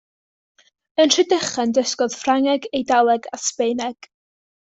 Yn Rhydychen dysgodd Ffrangeg, Eidaleg a Sbaeneg.